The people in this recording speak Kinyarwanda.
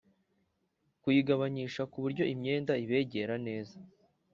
kuyigabanyisha kuburyo imyenda ibegera neza,